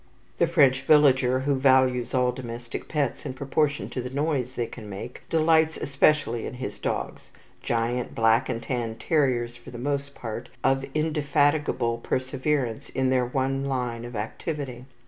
The French villager, who values all domestic pets in proportion to the noise they can make, delights especially in his dogs, giant black and tan terriers for the most part, of indefatigable perseverance in their one line of activity.